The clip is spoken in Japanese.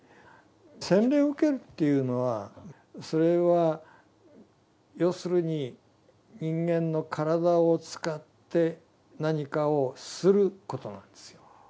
洗礼を受けるというのはそれは要するに人間の体を使って何かをすることなんですよ。